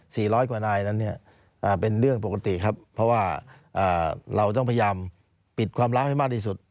ร้อยกว่านายนั้นเนี่ยอ่าเป็นเรื่องปกติครับเพราะว่าอ่าเราต้องพยายามปิดความล้าวให้มากที่สุด